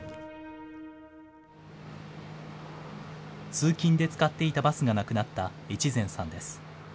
通勤で使っていたバスがなくなった越前さんです。